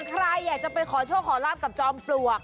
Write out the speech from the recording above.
ใครอยากจะไปขอโชคขอลาบกับจอมปลวก